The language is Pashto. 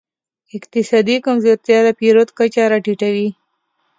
اقتصادي کمزورتیا د پیرود کچه راټیټوي.